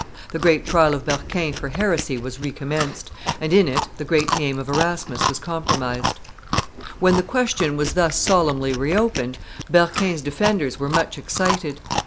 The great trial of Berquin for heresy was recommenced, and in it the great name of Erasmus was compromised. When the question was thus solemnly reopened, Berquin's defenders were much excited.